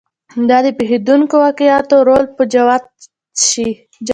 دا د پېښېدونکو واقعاتو رول به جوت شي.